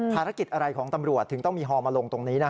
ภารกิจอะไรของตำรวจถึงต้องมีฮอลมาลงตรงนี้